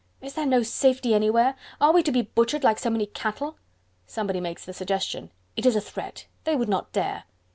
"Is there no safety anywhere?... are we to be butchered like so many cattle?..." Somebody makes the suggestion: "It is a threat... they would not dare!..."